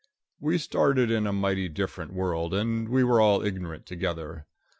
We started in a mighty different world, and we were all ignorant together.